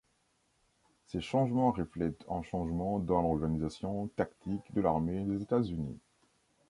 Ces changements reflètent un changement dans l'organisation tactique de l'armée des États-Unis.